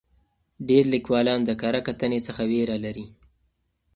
ډېر لیکوالان د کره کتنې څخه ویره لري.